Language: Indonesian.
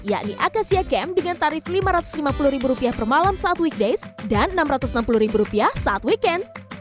yakni akasia camp dengan tarif lima ratus lima puluh per malam saat weekdays dan rp enam ratus enam puluh saat weekend